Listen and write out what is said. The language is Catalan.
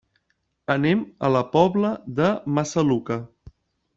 Anem a la Pobla de Massaluca.